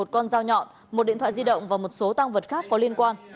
một con dao nhọn một điện thoại di động và một số tăng vật khác có liên quan